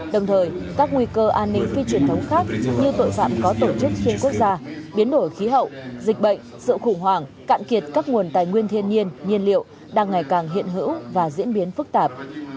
đồng thời các nguy cơ an ninh phi truyền thống khác như tội phạm có tổ chức xuyên quốc gia biến đổi khí hậu dịch bệnh sự khủng hoảng cạn kiệt các nguồn tài nguyên thiên nhiên nhiên liệu đang ngày càng hiện hữu và diễn biến phức tạp